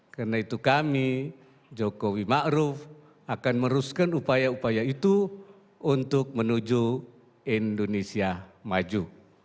karena itu kami jokowi ma'ruf akan merusakan upaya upaya itu untuk menuju indonesia maju